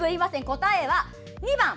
答えは２番。